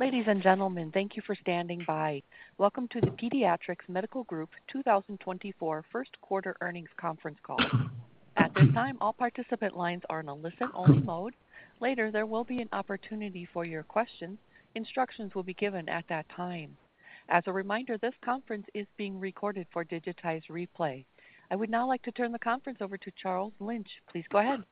Ladies and gentlemen, thank you for standing by. Welcome to the Pediatrix Medical Group 2024 first quarter earnings conference call. At this time, all participant lines are in a listen-only mode. Later, there will be an opportunity for your questions. Instructions will be given at that time. As a reminder, this conference is being recorded for digitized replay. I would now like to turn the conference over to Charles Lynch. Please go ahead.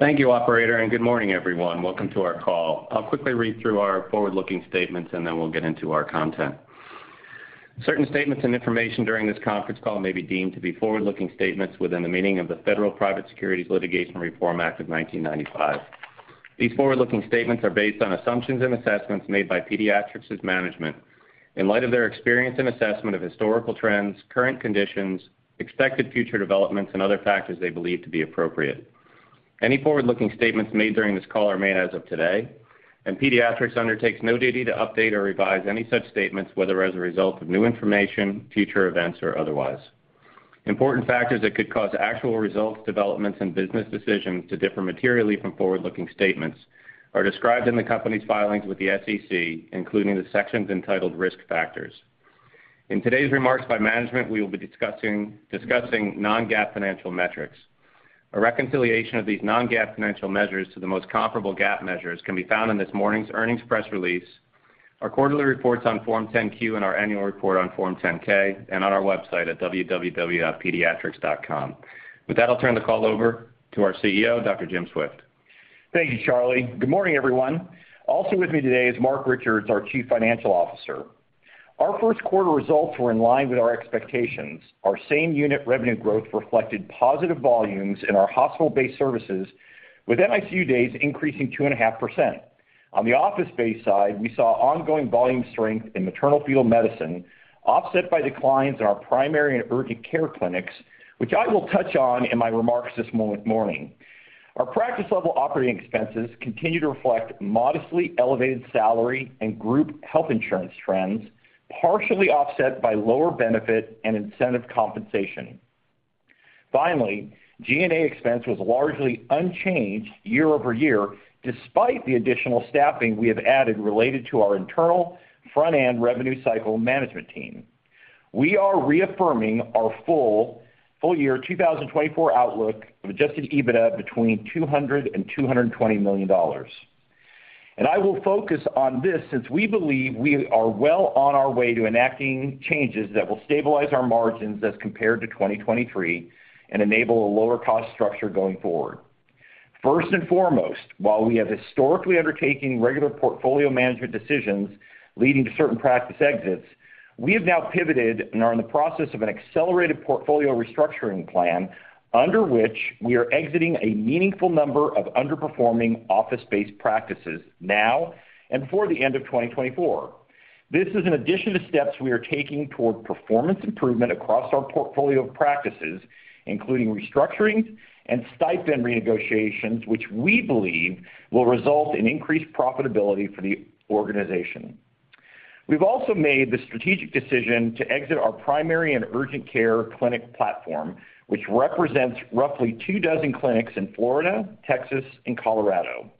Thank you, operator, and good morning, everyone. Welcome to our call. I'll quickly read through our forward-looking statements, and then we'll get into our content. Certain statements and information during this conference call may be deemed to be forward-looking statements within the meaning of the Federal Private Securities Litigation Reform Act of 1995. These forward-looking statements are based on assumptions and assessments made by Pediatrix's management in light of their experience and assessment of historical trends, current conditions, expected future developments, and other factors they believe to be appropriate. Any forward-looking statements made during this call are made as of today, and Pediatrix undertakes no duty to update or revise any such statements, whether as a result of new information, future events, or otherwise. Important factors that could cause actual results, developments, and business decisions to differ materially from forward-looking statements are described in the company's filings with the SEC, including the sections entitled Risk Factors. In today's remarks by management, we will be discussing non-GAAP financial metrics. A reconciliation of these non-GAAP financial measures to the most comparable GAAP measures can be found in this morning's earnings press release, our quarterly reports on Form 10-Q, and our annual report on Form 10-K, and on our website at www.pediatrix.com. With that, I'll turn the call over to our CEO, Dr. James Swift. Thank you, Charlie. Good morning, everyone. Also with me today is Marc Richards, our Chief Financial Officer. Our first quarter results were in line with our expectations. Our same-unit revenue growth reflected positive volumes in our hospital-based services, with NICU days increasing 2.5%. On the office-based side, we saw ongoing volume strength in maternal-fetal medicine, offset by declines in our primary and urgent care clinics, which I will touch on in my remarks this morning. Our practice-level operating expenses continue to reflect modestly elevated salary and group health insurance trends, partially offset by lower benefit and incentive compensation. Finally, G&A expense was largely unchanged year-over-year despite the additional staffing we have added related to our internal front-end revenue cycle management team. We are reaffirming our full year 2024 outlook of Adjusted EBITDA between $200 million and $220 million. I will focus on this since we believe we are well on our way to enacting changes that will stabilize our margins as compared to 2023 and enable a lower-cost structure going forward. First and foremost, while we have historically undertaken regular portfolio management decisions leading to certain practice exits, we have now pivoted and are in the process of an accelerated portfolio restructuring plan under which we are exiting a meaningful number of underperforming office-based practices now and before the end of 2024. This is in addition to steps we are taking toward performance improvement across our portfolio of practices, including restructurings and stipend renegotiations, which we believe will result in increased profitability for the organization. We've also made the strategic decision to exit our primary and urgent care clinic platform, which represents roughly two dozen clinics in Florida, Texas, and Colorado.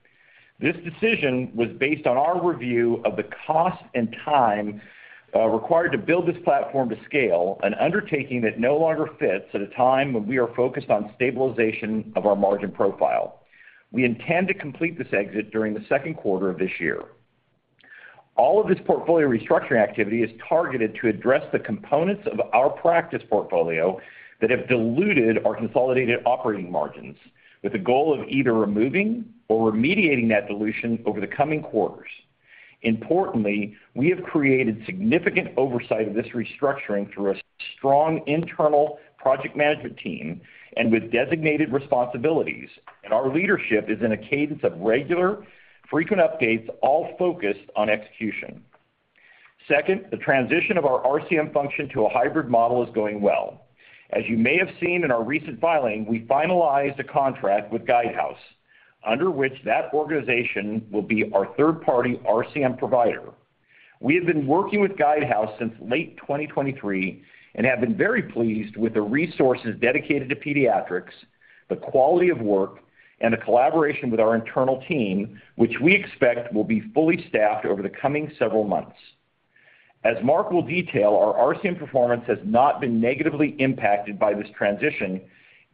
This decision was based on our review of the cost and time required to build this platform to scale, an undertaking that no longer fits at a time when we are focused on stabilization of our margin profile. We intend to complete this exit during the second quarter of this year. All of this portfolio restructuring activity is targeted to address the components of our practice portfolio that have diluted our consolidated operating margins, with the goal of either removing or remediating that dilution over the coming quarters. Importantly, we have created significant oversight of this restructuring through a strong internal project management team and with designated responsibilities, and our leadership is in a cadence of regular, frequent updates, all focused on execution. Second, the transition of our RCM function to a hybrid model is going well. As you may have seen in our recent filing, we finalized a contract with Guidehouse, under which that organization will be our third-party RCM provider. We have been working with Guidehouse since late 2023 and have been very pleased with the resources dedicated to Pediatrix, the quality of work, and the collaboration with our internal team, which we expect will be fully staffed over the coming several months. As Marc will detail, our RCM performance has not been negatively impacted by this transition,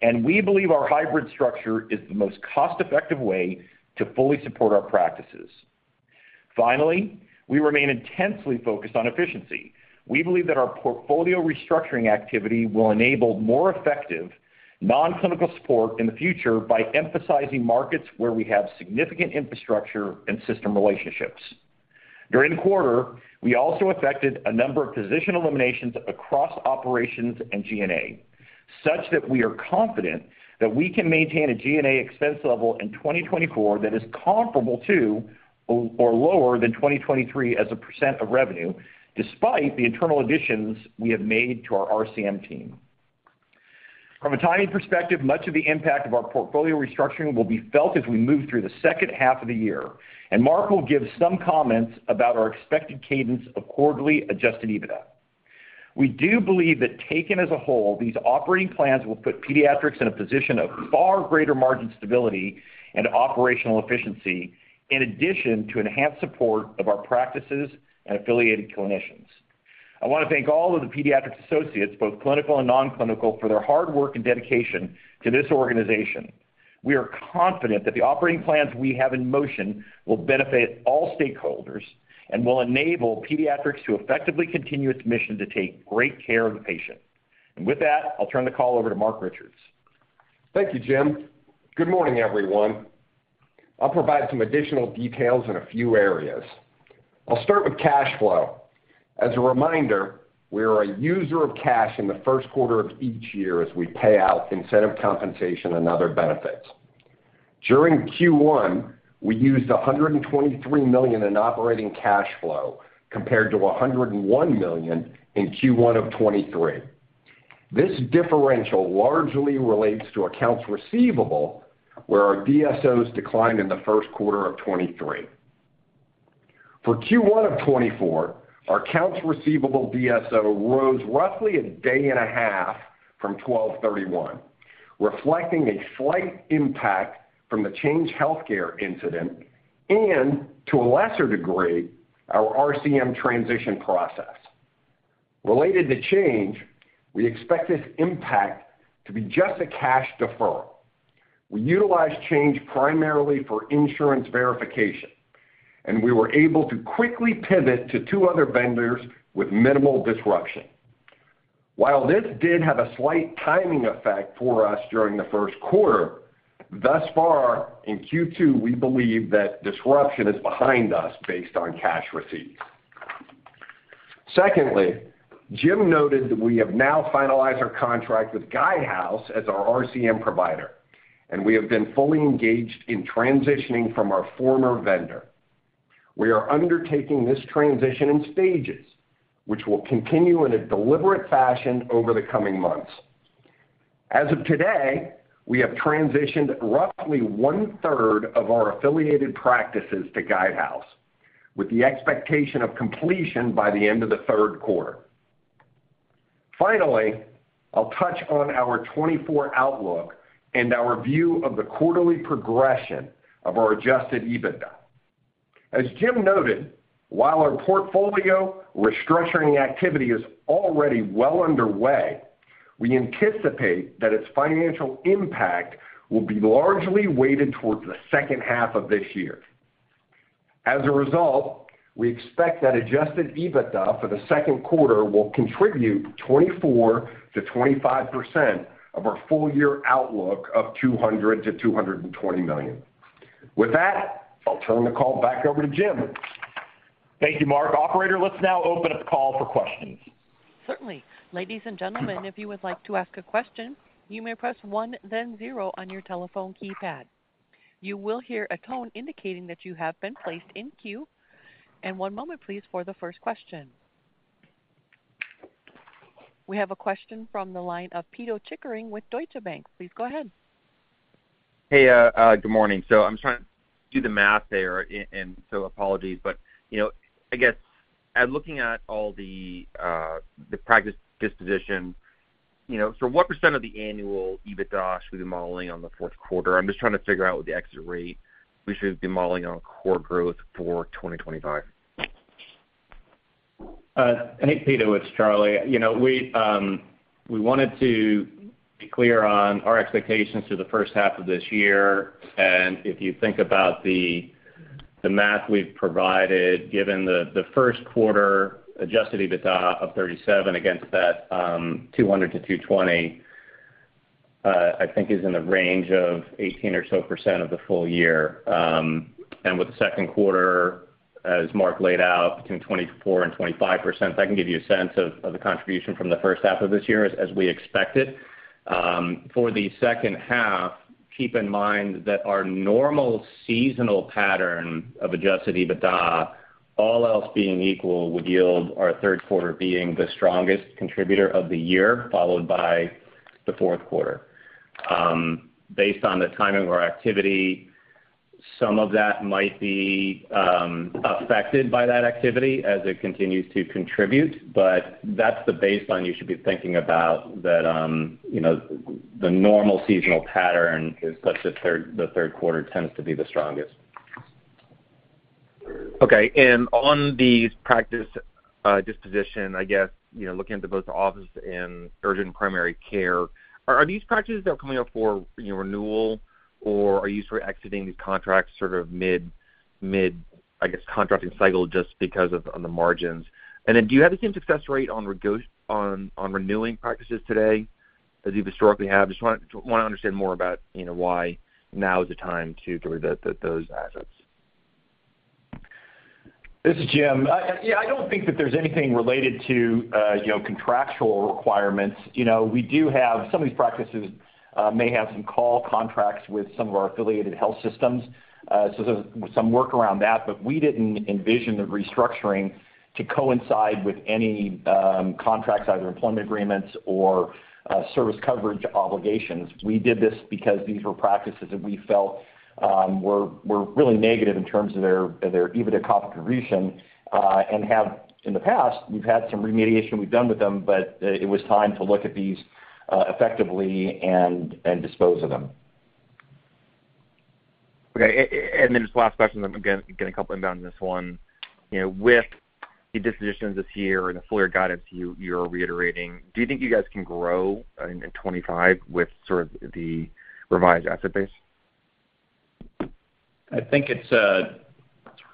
and we believe our hybrid structure is the most cost-effective way to fully support our practices. Finally, we remain intensely focused on efficiency. We believe that our portfolio restructuring activity will enable more effective non-clinical support in the future by emphasizing markets where we have significant infrastructure and system relationships. During the quarter, we also effected a number of position eliminations across operations and G&A, such that we are confident that we can maintain a G&A expense level in 2024 that is comparable to or lower than 2023 as a % of revenue, despite the internal additions we have made to our RCM team. From a timing perspective, much of the impact of our portfolio restructuring will be felt as we move through the second half of the year, and Marc will give some comments about our expected cadence of quarterly adjusted EBITDA. We do believe that, taken as a whole, these operating plans will put Pediatrix in a position of far greater margin stability and operational efficiency, in addition to enhanced support of our practices and affiliated clinicians. I want to thank all of the Pediatrix associates, both clinical and non-clinical, for their hard work and dedication to this organization. We are confident that the operating plans we have in motion will benefit all stakeholders and will enable Pediatrix to effectively continue its mission to take great care of the patient. And with that, I'll turn the call over to Marc Richards. Thank you, Jim. Good morning, everyone. I'll provide some additional details in a few areas. I'll start with cash flow. As a reminder, we are a user of cash in the first quarter of each year as we pay out incentive compensation and other benefits. During Q1, we used $123 million in operating cash flow compared to $101 million in Q1 of 2023. This differential largely relates to accounts receivable, where our DSOs declined in the first quarter of 2023. For Q1 of 2024, our accounts receivable DSO rose roughly a day and a half from $1,231, reflecting a slight impact from the Change Healthcare incident and, to a lesser degree, our RCM transition process. Related to Change, we expect this impact to be just a cash deferral. We utilized Change primarily for insurance verification, and we were able to quickly pivot to two other vendors with minimal disruption. While this did have a slight timing effect for us during the first quarter, thus far in Q2, we believe that disruption is behind us based on cash receipts. Secondly, Jim noted that we have now finalized our contract with Guidehouse as our RCM provider, and we have been fully engaged in transitioning from our former vendor. We are undertaking this transition in stages, which will continue in a deliberate fashion over the coming months. As of today, we have transitioned roughly 1/3 of our affiliated practices to Guidehouse, with the expectation of completion by the end of the third quarter. Finally, I'll touch on our 2024 outlook and our view of the quarterly progression of our Adjusted EBITDA. As Jim noted, while our portfolio restructuring activity is already well underway, we anticipate that its financial impact will be largely weighted towards the second half of this year. As a result, we expect that Adjusted EBITDA for the second quarter will contribute 24%-25% of our full-year outlook of $200 million-$220 million. With that, I'll turn the call back over to Jim. Thank you, Marc. Operator, let's now open up the call for questions. Certainly. Ladies and gentlemen, if you would like to ask a question, you may press one, then zero on your telephone keypad. You will hear a tone indicating that you have been placed in queue. One moment, please, for the first question. We have a question from the line of Pito Chickering with Deutsche Bank. Please go ahead. Hey, good morning. So I'm trying to do the math there, and so apologies, but I guess looking at all the practice disposition, for what % of the annual EBITDA should we be modeling on the fourth quarter? I'm just trying to figure out what the exit rate we should be modeling on core growth for 2025? Hey, Pito, it's Charlie. We wanted to be clear on our expectations for the first half of this year. If you think about the math we've provided, given the first quarter adjusted EBITDA of 37 against that $200 million-$220 million, I think is in the range of 18% or so of the full year. With the second quarter, as Marc laid out, between 24% and 25%, that can give you a sense of the contribution from the first half of this year as we expect it. For the second half, keep in mind that our normal seasonal pattern of adjusted EBITDA, all else being equal, would yield our third quarter being the strongest contributor of the year, followed by the fourth quarter. Based on the timing of our activity, some of that might be affected by that activity as it continues to contribute, but that's the baseline you should be thinking about, that the normal seasonal pattern is such that the third quarter tends to be the strongest. Okay. On these practice disposition, I guess looking at both the office and urgent primary care, are these practices that are coming up for renewal, or are you sort of exiting these contracts sort of mid, I guess, contracting cycle just because of the margins? Do you have the same success rate on renewing practices today as you've historically had? Just want to understand more about why now is the time to deliver those assets. This is Jim. Yeah, I don't think that there's anything related to contractual requirements. We do have some of these practices may have some call contracts with some of our affiliated health systems, so some work around that, but we didn't envision the restructuring to coincide with any contracts, either employment agreements or service coverage obligations. We did this because these were practices that we felt were really negative in terms of their EBITDA contribution. In the past, we've had some remediation we've done with them, but it was time to look at these effectively and dispose of them. Okay. Then just last question. I'm going to get a couple inbounds on this one. With the dispositions this year and the full-year guidance you are reiterating, do you think you guys can grow in 2025 with sort of the revised asset base? I think it's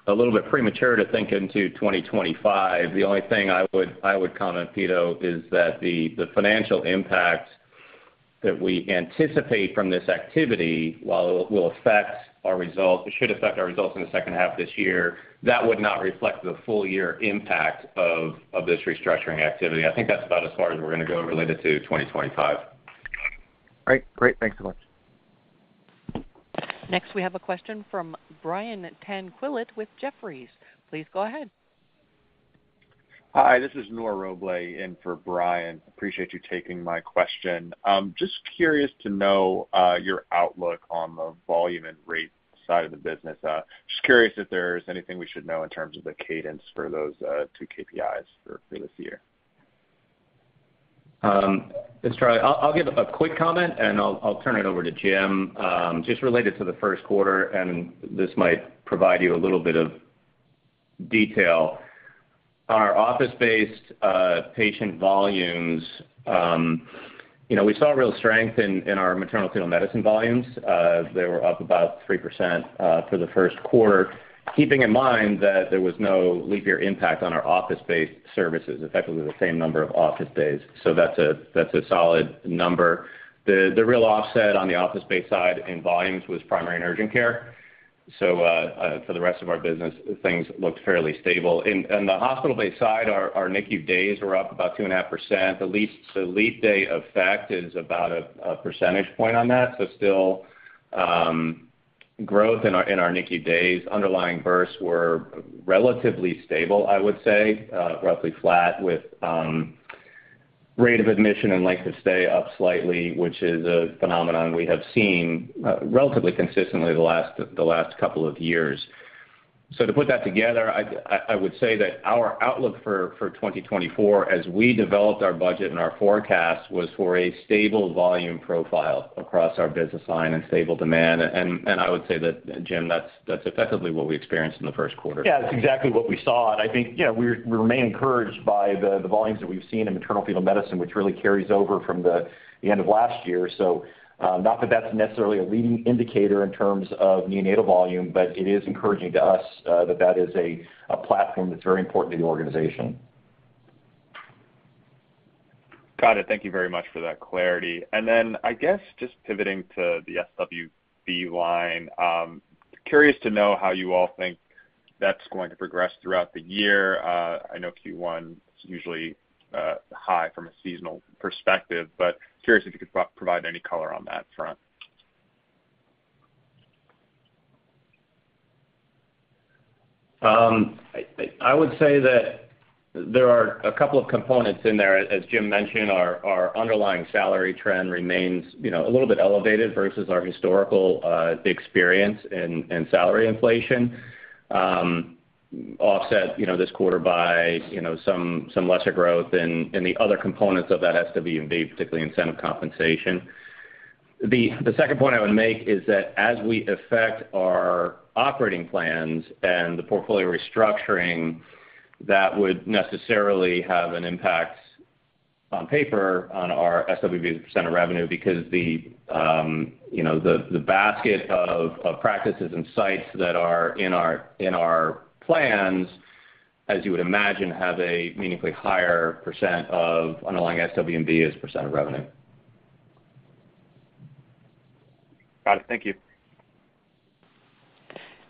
a little bit premature to think into 2025. The only thing I would comment, Pito, is that the financial impact that we anticipate from this activity, while it will affect our results, it should affect our results in the second half of this year. That would not reflect the full-year impact of this restructuring activity. I think that's about as far as we're going to go related to 2025. All right. Great. Thanks so much. Next, we have a question from Brian Tanquilut with Jefferies. Please go ahead. Hi. This is Nur Robleh in for Brian. Appreciate you taking my question. Just curious to know your outlook on the volume and rate side of the business. Just curious if there's anything we should know in terms of the cadence for those two KPIs for this year. Mr. Charlie, I'll give a quick comment, and I'll turn it over to Jim just related to the first quarter, and this might provide you a little bit of detail. On our office-based patient volumes, we saw real strength in our maternal fetal medicine volumes. They were up about 3% for the first quarter, keeping in mind that there was no leap year impact on our office-based services, effectively the same number of office days. So that's a solid number. The real offset on the office-based side in volumes was primary and urgent care. So for the rest of our business, things looked fairly stable. On the hospital-based side, our NICU days were up about 2.5%. The leap day effect is about a percentage point on that. So still growth in our NICU days. Underlying births were relatively stable, I would say, roughly flat with rate of admission and length of stay up slightly, which is a phenomenon we have seen relatively consistently the last couple of years. So to put that together, I would say that our outlook for 2024 as we developed our budget and our forecast was for a stable volume profile across our business line and stable demand. And I would say that, Jim, that's effectively what we experienced in the first quarter. Yeah, that's exactly what we saw. I think we remain encouraged by the volumes that we've seen in maternal-fetal medicine, which really carries over from the end of last year. So not that that's necessarily a leading indicator in terms of neonatal volume, but it is encouraging to us that that is a platform that's very important to the organization. Got it. Thank you very much for that clarity. And then I guess just pivoting to the SWB line, curious to know how you all think that's going to progress throughout the year. I know Q1 is usually high from a seasonal perspective, but curious if you could provide any color on that front? I would say that there are a couple of components in there. As Jim mentioned, our underlying salary trend remains a little bit elevated versus our historical experience in salary inflation, offset this quarter by some lesser growth in the other components of that SWB, particularly incentive compensation. The second point I would make is that as we affect our operating plans and the portfolio restructuring, that would necessarily have an impact on paper on our SWB's percent of revenue because the basket of practices and sites that are in our plans, as you would imagine, have a meaningfully higher percent of underlying SWB as percent of revenue. Got it. Thank you.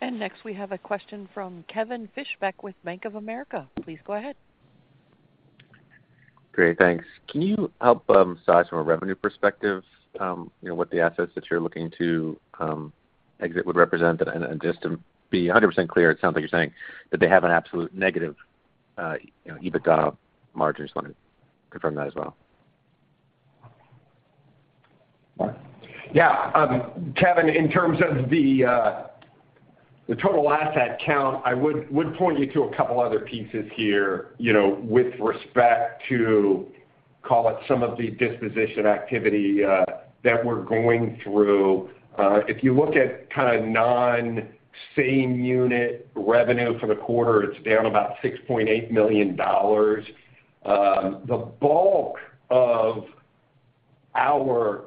Next, we have a question from Kevin Fischbeck with Bank of America. Please go ahead. Great. Thanks. Can you help size from a revenue perspective what the assets that you're looking to exit would represent? And just to be 100% clear, it sounds like you're saying that they have an absolute negative EBITDA margin. Just want to confirm that as well. Yeah. Kevin, in terms of the total asset count, I would point you to a couple other pieces here with respect to, call it, some of the disposition activity that we're going through. If you look at kind of non-same unit revenue for the quarter, it's down about $6.8 million. The bulk of our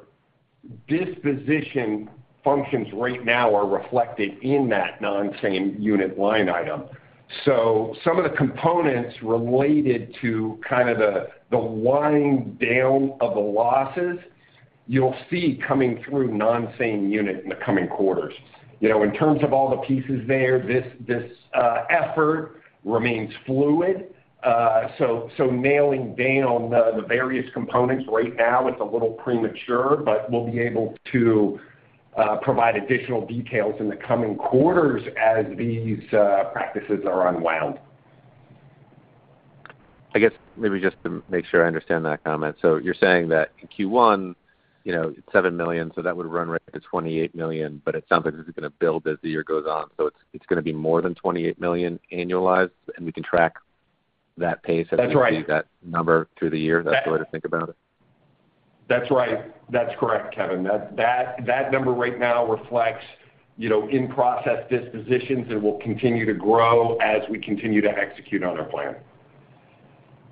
disposition functions right now are reflected in that non-same unit line item. So some of the components related to kind of the wind down of the losses, you'll see coming through non-same unit in the coming quarters. In terms of all the pieces there, this effort remains fluid. So nailing down the various components right now, it's a little premature, but we'll be able to provide additional details in the coming quarters as these practices are unwound. I guess maybe just to make sure I understand that comment. So you're saying that in Q1, it's $7 million, so that would run right to $28 million, but it sounds like this is going to build as the year goes on. So it's going to be more than $28 million annualized, and we can track that pace as we see that number through the year. That's the way to think about it. That's right. That's correct, Kevin. That number right now reflects in-process dispositions, and we'll continue to grow as we continue to execute on our plan.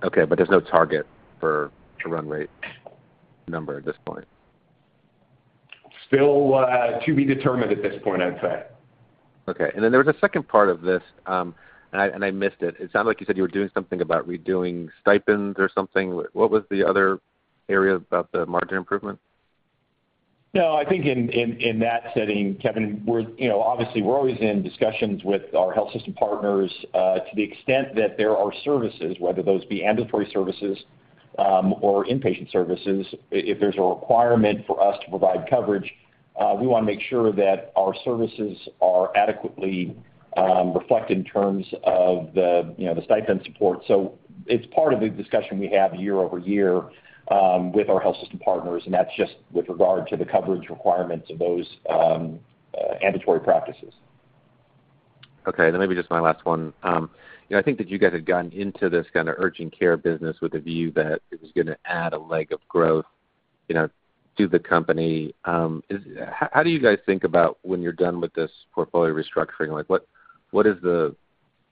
Okay. But there's no target for run rate number at this point? Still to be determined at this point, I'd say. Okay. And then there was a second part of this, and I missed it. It sounded like you said you were doing something about redoing stipends or something. What was the other area about the margin improvement? No, I think in that setting, Kevin, obviously, we're always in discussions with our health system partners to the extent that there are services, whether those be mandatory services or inpatient services. If there's a requirement for us to provide coverage, we want to make sure that our services are adequately reflected in terms of the stipend support. So it's part of the discussion we have year-over-year with our health system partners, and that's just with regard to the coverage requirements of those mandatory practices. Okay. And then maybe just my last one. I think that you guys had gotten into this kind of urgent care business with a view that it was going to add a leg of growth to the company. How do you guys think about when you're done with this portfolio restructuring? What is the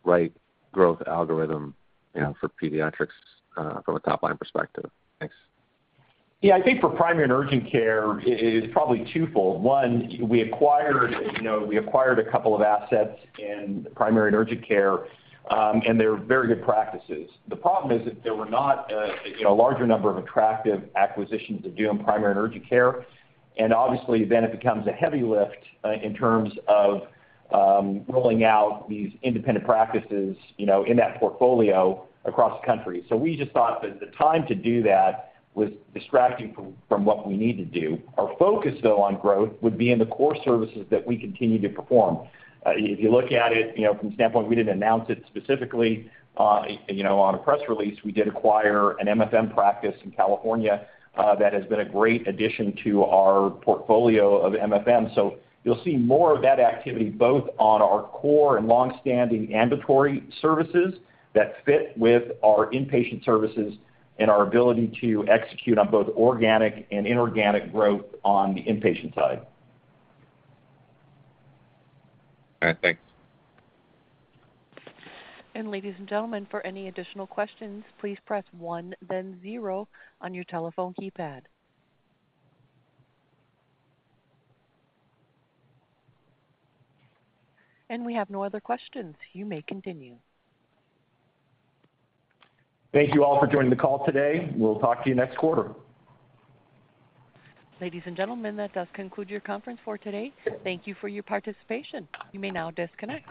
right growth algorithm for pediatrics from a top-line perspective? Thanks. Yeah. I think for primary and urgent care, it's probably twofold. One, we acquired a couple of assets in primary and urgent care, and they're very good practices. The problem is that there were not a larger number of attractive acquisitions to do in primary and urgent care. And obviously, then it becomes a heavy lift in terms of rolling out these independent practices in that portfolio across the country. So we just thought that the time to do that was distracting from what we need to do. Our focus, though, on growth would be in the core services that we continue to perform. If you look at it from the standpoint we didn't announce it specifically on a press release, we did acquire an MFM practice in California that has been a great addition to our portfolio of MFM. So you'll see more of that activity both on our core and long-standing mandatory services that fit with our inpatient services and our ability to execute on both organic and inorganic growth on the inpatient side. All right. Thanks. Ladies and gentlemen, for any additional questions, please press one, then zero on your telephone keypad. We have no other questions. You may continue. Thank you all for joining the call today. We'll talk to you next quarter. Ladies and gentlemen, that does conclude your conference for today. Thank you for your participation. You may now disconnect.